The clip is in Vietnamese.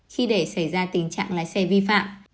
khi để xảy ra tình trạng lái xe vi phạm